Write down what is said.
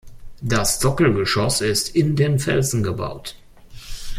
Das Sockelgeschoss ist in den Felsen gebaut.